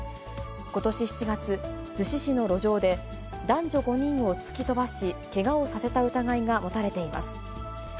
ことし７月、逗子市の路上で、男女５人を突き飛ばし、けがをさせた疑いが持たれています。